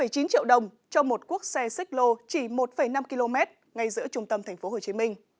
một chín triệu đồng cho một quốc xe xích lô chỉ một năm km ngay giữa trung tâm tp hcm